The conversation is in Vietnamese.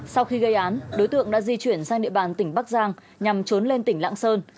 sau khi gây án đối tượng đã di chuyển sang địa bàn tỉnh bắc giang nhằm trốn lên tỉnh lạng sơn